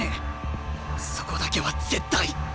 そこだけは絶対！